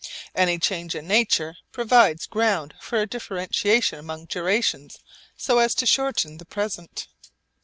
Any change in nature provides ground for a differentiation among durations so as to shorten the present.